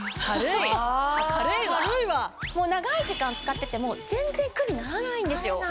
長い時間使ってても全然苦にならないんですよ。